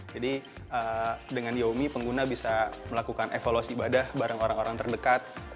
jadi dengan yaumi pengguna bisa melakukan evaluasi ibadah bareng orang orang terdekat